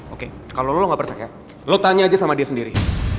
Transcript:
oke kalau lo gak percaya lo tanya aja sama dia sendiri